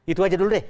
itu aja dulu deh